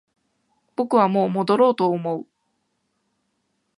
僕はもう戻ろうと思う